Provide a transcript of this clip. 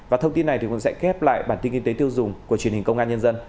và thông tin này thì mình sẽ kép lại bản tin kinh tế tiêu dùng của truyền hình công an nhân dân